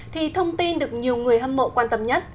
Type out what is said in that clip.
thì thông tin được nhiều người hâm mộ quan tâm nhất